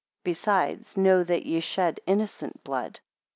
15 Besides know that ye shed innocent blood.